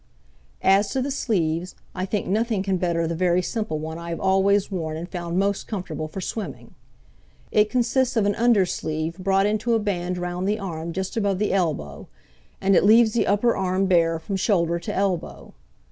As to the sleeves, I think nothing can better the very simple one I have always worn and found most comfortable for swimming. It consists of an under sleeve brought into a band round the arm just above the elbow, and it leaves the upper arm bare from shoulder to elbow.